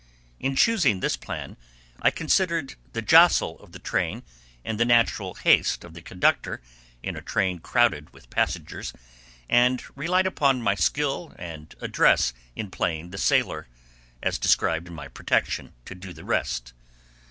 In choosing this plan I considered the jostle of the train, and the natural haste of the conductor, in a train crowded with passengers, and relied upon my skill and address in playing the sailor, as described in my protection, to do the rest.